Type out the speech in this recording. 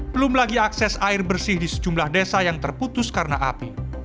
belum lagi akses air bersih di sejumlah desa yang terputus karena api